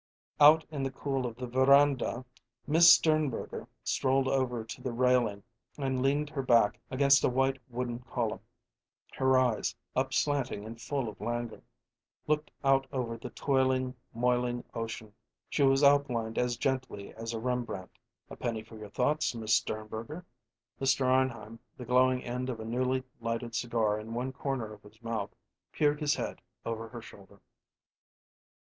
Out in the cool of the veranda Miss Sternberger strolled over to the railing and leaned her back against a white wooden column. Her eyes, upslanting and full of languor, looked out over the toiling, moiling ocean. She was outlined as gently as a Rembrandt. "A penny for your thoughts, Miss Sternberger." Mr. Arnheim, the glowing end of a newly lighted cigar in one corner of his mouth, peered his head over her shoulder.